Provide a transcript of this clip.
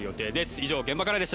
以上、現場からです。